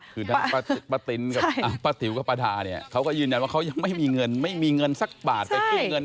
คือพระติ๋นพระติ๋วกับพระธาเนี่ยเขาก็ยืนยันว่าเขายังไม่มีเงินไม่มีเงินสักบาทไปขึ้นเงิน